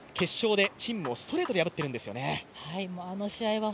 このときに陳もストレートで破っているんですよね。